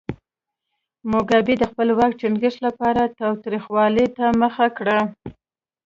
موګابي د خپل واک ټینګښت لپاره تاوتریخوالي ته مخه کړه.